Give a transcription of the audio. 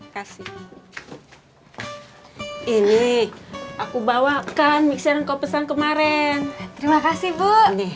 kasih ini aku bawakan mixer yang kau pesan kemarin terima kasih bu